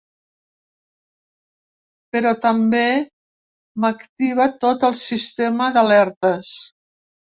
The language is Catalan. Però també m'activa tot el sistema d'alertes.